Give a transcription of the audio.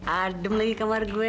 adem lagi kamar gue